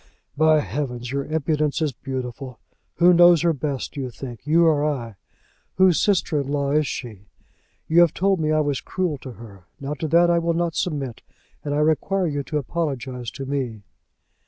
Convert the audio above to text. "By heavens, your impudence is beautiful. Who knows her best, do you think, you or I? Whose sister in law is she? You have told me I was cruel to her. Now to that I will not submit, and I require you to apologize to me."